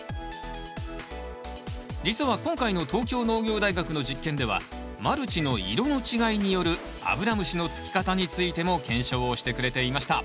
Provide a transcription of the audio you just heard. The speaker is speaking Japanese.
実は今回の東京農業大学の実験ではマルチの色の違いによるアブラムシのつき方についても検証をしてくれていました。